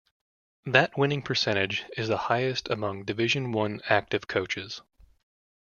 That winning percentage is the highest among Division One active coaches.